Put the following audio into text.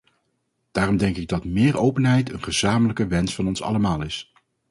Daarom denk ik dat meer openheid een gezamenlijke wens van ons allemaal is.